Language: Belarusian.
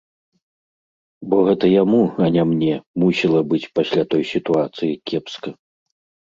Бо гэта яму, а не мне, мусіла быць пасля той сітуацыі кепска.